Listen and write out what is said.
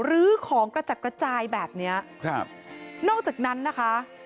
ื้อของกระจัดกระจายแบบเนี้ยครับนอกจากนั้นนะคะ